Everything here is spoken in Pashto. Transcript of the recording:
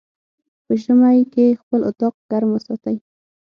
په ژمی کی خپل اطاق ګرم وساتی